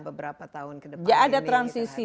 beberapa tahun ke depan ada transisi